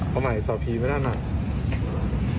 เอาใหม่สับผีไม่ได้หนัก